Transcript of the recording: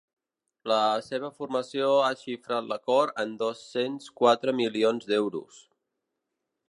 La seva formació ha xifrat l’acord en dos-cents quatre milions d’euros.